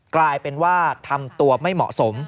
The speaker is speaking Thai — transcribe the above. กลายเป็นว่าทำตัวไม่เหมาะสม